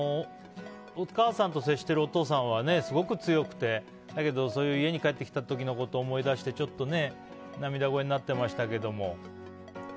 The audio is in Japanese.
お母さんと接してるお父さんはすごく強くてだけど、家に帰ってきた時のことを思い出してちょっと涙声になってましたけど。